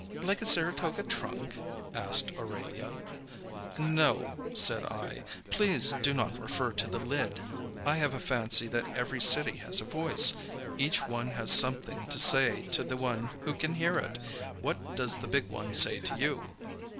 "Like a Saratoga trunk?" asked Aurelia. "No," said I. "Please do not refer to the lid. I have a fancy that every city has a voice. Each one has something to say to the one who can hear it. What does the big one say to you?"